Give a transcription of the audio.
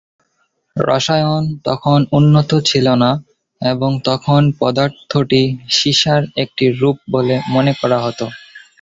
রসায়ন তখন উন্নত ছিল না এবং তখন পদার্থটি সীসার একটি রূপ বলে মনে করা হতো।